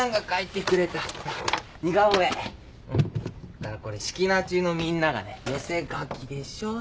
それからこれ志木那中のみんながね寄せ書きでしょ。